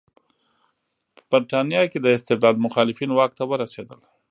په برېټانیا کې د استبداد مخالفین واک ته ورسېدل.